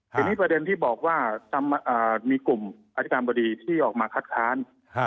ทีนี้ประเด็นที่บอกว่ามีกลุ่มอธิการบดีที่ออกมาคัดค้าน